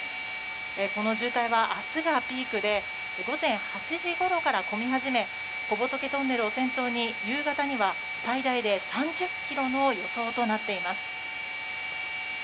この渋滞は明日がピークで午前８時ごろから混み始め小仏トンネルを先頭に夕方には最大で３０ｋｍの予想となっています。